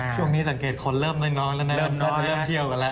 ช่วงนี้สังเกตคนเริ่มน้อยแล้วนะน้องก็เริ่มเที่ยวกันแล้ว